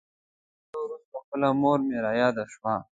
د نظم تر ویلو وروسته خپله مور مې را یاده شوه.